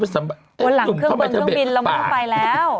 วันหลังเครื่องบินเราไม่ต้องไปแล้ว